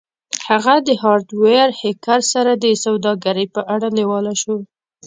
هغه د هارډویر هیکر سره د سوداګرۍ په اړه لیواله شو